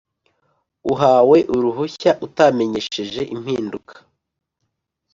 Uwahawe uruhushya utamenyesheje impinduka